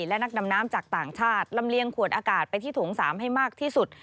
และนักดำน้ำจากต่างชาติลำเลียงขวดอากาศไปที่โถง๓ให้มากที่สุด